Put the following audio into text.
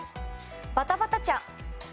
バタバタ茶。